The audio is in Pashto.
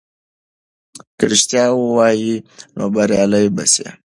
که رښتیا ووایې نو بریالی به سې.